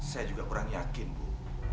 saya juga kurang yakin bu